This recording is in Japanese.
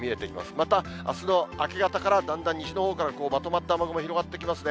またあすの明け方からだんだん西のほうからまとまった雨雲広がってきますね。